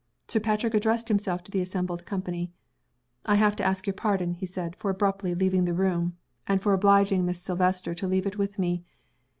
Sir Patrick addressed himself to the assembled company. "I have to ask your pardon," he said, "for abruptly leaving the room, and for obliging Miss Silvester to leave it with me.